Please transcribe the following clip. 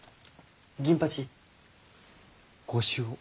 銀八御酒を。